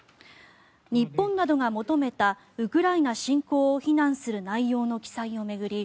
日本などが求めたウクライナ侵攻を非難する内容の記載を巡り